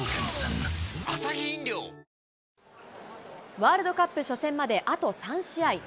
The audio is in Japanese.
ワールドカップ初戦まであと３試合。